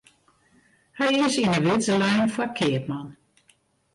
Hy is yn 'e widze lein foar keapman.